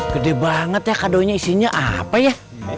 gede banget ya kadonya isinya apa ya